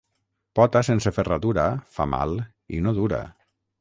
Pota sense ferradura fa mal i no dura.